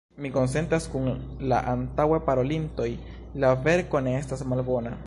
Mi konsentas kun la antaŭe parolintoj – la verko ne estas malbona.